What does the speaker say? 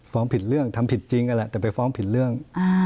ฟ้องผิดเรื่องทำผิดจริงก็ละแต่ไปฟ้องผิดเรื่อง